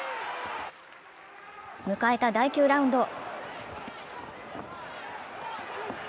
迎えた第９ラウンド。